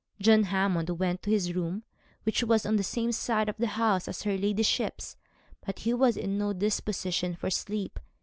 John Hammond went to his room, which was on the same side of the house as her ladyship's; but he was in no disposition for sleep.